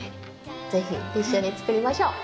是非一緒に作りましょう。